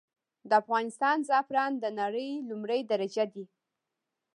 د افغانستان زعفران د نړې لمړی درجه دي.